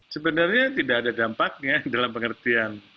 sebenarnya tidak ada dampaknya dalam pengertian